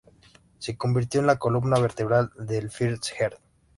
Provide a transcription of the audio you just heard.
Se convirtió en la columna vertebral del First Herd.